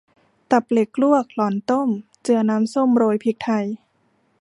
ตับเหล็กลวกหล่อนต้ม เจือน้ำส้มโรยพริกไทย